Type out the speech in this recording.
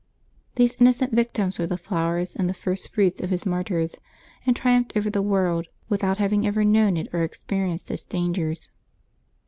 These inno cent victims were the flowers and the first fruits of His martyrs, and triumphed over the world, without having ever known it or experienced its dangers.